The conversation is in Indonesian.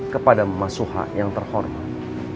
kepada masuha yang terhormat